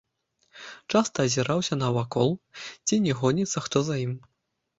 Часта азіраўся навакол, ці не гоніцца хто за ім.